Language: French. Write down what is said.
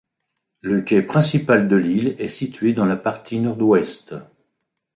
Le quai principal de l'île est situé dans la partie nord-ouest.